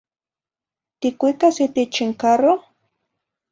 Ticuicas itich n carroh?